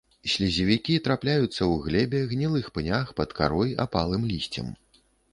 Слізевікі трапляюцца ў глебе, гнілых пнях, пад карой, апалым лісцем.